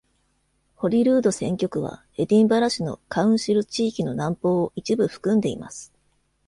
ホリルード選挙区はエディンバラ市のカウンシル地域の南方を一部含んでいます。